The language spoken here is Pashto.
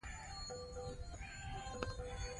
ماشومان د لوبو له لارې د ذهني پوهې پراختیا تجربه کوي.